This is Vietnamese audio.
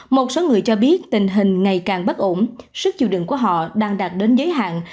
một số người cho biết tình hình ngày càng bất ổn sức chịu đựng của họ đang đạt đến giới hạn